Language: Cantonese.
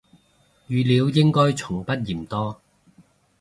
語料應該從不嫌多